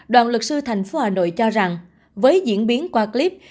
đoàn luật sư thành phố hà nội cho rằng với diễn biến qua clip